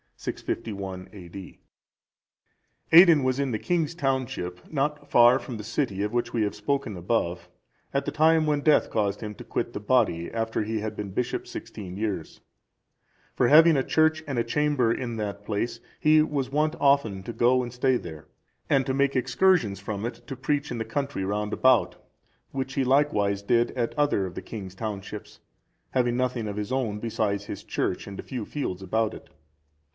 [651 A.D.] Aidan was in the king's township, not far from the city of which we have spoken above, at the time when death caused him to quit the body, after he had been bishop sixteen(370) years; for having a church and a chamber in that place, he was wont often to go and stay there, and to make excursions from it to preach in the country round about, which he likewise did at other of the king's townships, having nothing of his own besides his church and a few fields about it.